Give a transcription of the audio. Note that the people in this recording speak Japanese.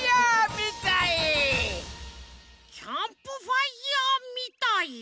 「キャンプファイヤーみたい」？